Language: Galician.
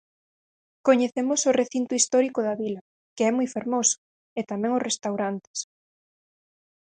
Coñecemos o recinto histórico da vila, que é moi fermoso, e tamén os restaurantes.